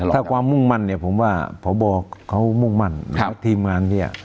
ถ้าความมุ่งมั่นเนี่ยผมว่าพบเขามุ่งมั่นทีมงานเนี่ย